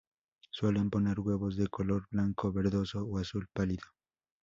Suelen poner huevos de color blanco, verdoso o azul pálido.